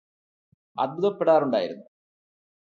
അത്ഭുതപ്പെടാറുണ്ടായിരുന്നു